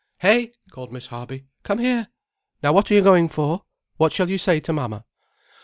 "Hey," called Miss Harby. "Come here—now what are you going for? What shall you say to mamma?"